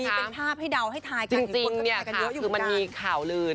มีเป็นภาพให้เดาให้ทายกัน